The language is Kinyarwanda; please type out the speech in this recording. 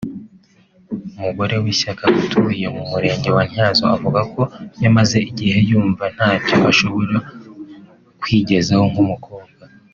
Mugorewishyaka utuye mu Murenge wa Ntyazo avuga ko yamaze igihe yumva ntacyo ashobora kwigezaho nk’umukobwa